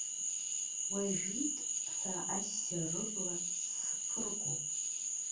Уажәит ҳәа, ассир, рыбла саԥыргоуп.